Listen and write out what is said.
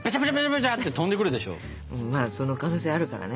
まあその可能性あるからね。